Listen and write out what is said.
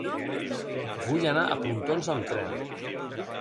Vull anar a Pontons amb tren.